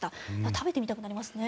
食べてみたくなりますね。